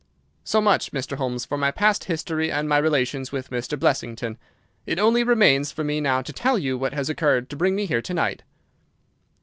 "So much, Mr. Holmes, for my past history and my relations with Mr. Blessington. It only remains for me now to tell you what has occurred to bring me here to night.